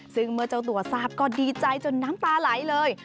ซึ่งเมื่อเจ้าตัวทราบก็ดีใจจนน้ำตาไหลเลย